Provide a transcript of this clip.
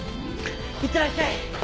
いってらっしゃい！